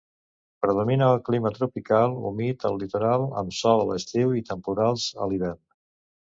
Predomina el clima tropical humit al litoral, amb sol a l'estiu i temporals a l'hivern.